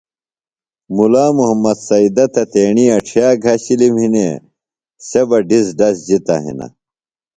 مُلا محمد سیدہ تہ تیݨی اڇھیہ گھشِلم ہنے سے بہ ڈِزڈز جِتہ ہِنہ